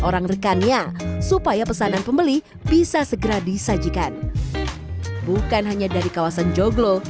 orang rekannya supaya pesanan pembeli bisa segera disajikan bukan hanya dari kawasan joglo